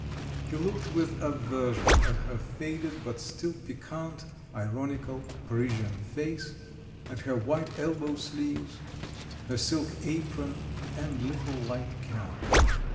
He looked with aversion at her faded, but still "piquante," ironical, Parisian face, at her white elbow sleeves, her silk apron, and little light cap.